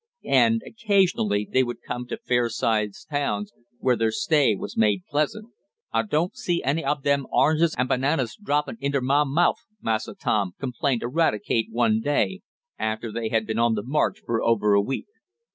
And, occasionally they would come to fair sized towns where their stay was made pleasant. "I doan't see any ob dem oranges an' bananas droppin' inter mah mouf, Massa Tom," complained Eradicate one day, after they had been on the march for over a week.